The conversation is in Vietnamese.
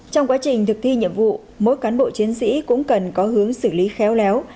trong quá trình thực thi nhiệm vụ mỗi cán bộ chiến sĩ cũng cần có hướng xử lý khéo léo